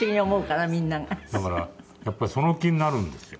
だからやっぱりその気になるんですよ。